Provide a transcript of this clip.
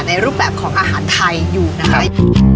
ในรูปแบบของอาหารไทยอยู่นะครับ